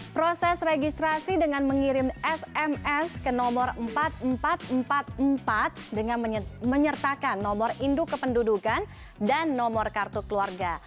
proses registrasi dengan mengirim sms ke nomor empat ribu empat ratus empat puluh empat dengan menyertakan nomor induk kependudukan dan nomor kartu keluarga